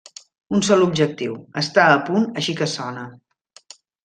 Un sol objectiu: estar a punt així que sona.